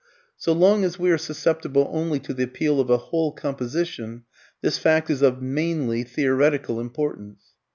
So long as we are susceptible only to the appeal of a whole composition, this fact is of mainly theoretical importance.